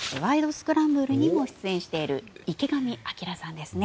スクランブル」にも出演している池上彰さんですね。